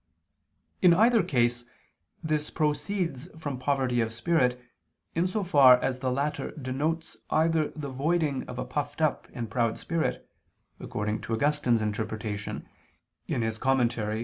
In either case, this proceeds from poverty of spirit, in so far as the latter denotes either the voiding of a puffed up and proud spirit, according to Augustine's interpretation (De Serm.